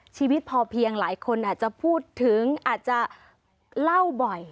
ชีวิตพอเพียงหลายคนอาจจะพูดถึงอาจจะเล่าบ่อย